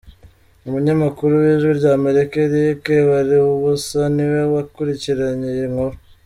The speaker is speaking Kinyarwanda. Umunyamakuru w’Ijwi ry’Amerika Eric Bagiruwubusa ni we wakurikirnaye iyi nkuru.